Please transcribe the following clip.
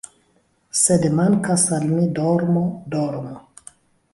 ♫ Sed mankas al mi dormo, dormo, dormo ♫